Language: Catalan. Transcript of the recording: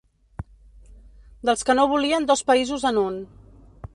Dels que no volien dos països en un.